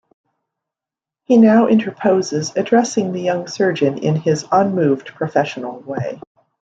He now interposes, addressing the young surgeon in his unmoved, professional way.